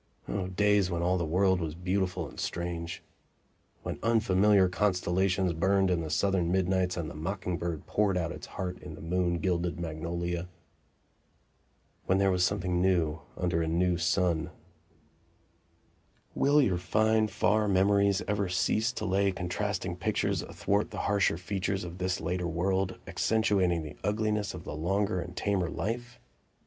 O days when all the world was beautiful and strange; when unfamiliar constellations burned in the Southern midnights, and the mocking bird poured out his heart in the moon gilded magnolia; when there was something new under a new sun; will your fine, far memories ever cease to lay contrasting pictures athwart the harsher features of this later world, accentuating the ugliness of the longer and tamer life?